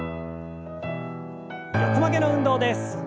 横曲げの運動です。